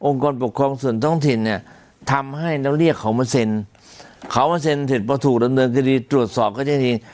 กรปกครองส่วนท้องถิ่นเนี่ยทำให้แล้วเรียกเขามาเซ็นเขามาเซ็นเสร็จพอถูกดำเนินคดีตรวจสอบก็จะดี